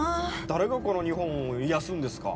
誰がこの日本を癒やすんですか？